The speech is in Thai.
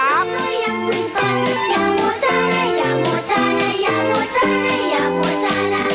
อยากมีการอยากโหชานะอยากโหชานะอยากโหชานะอยากโหชานะ